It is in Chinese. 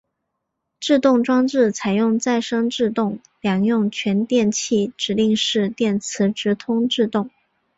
制动装置采用再生制动两用全电气指令式电磁直通制动。